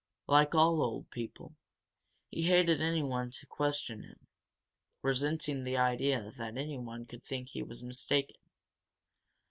Like all old people, he hated anyone to question him, resenting the idea that anyone could think he was mistaken.